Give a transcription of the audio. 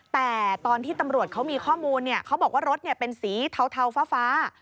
แต่ตอนที่ตำรวจเขามีข้อมูลเขาบอกว่ารถเป็นสีเทาฟ้า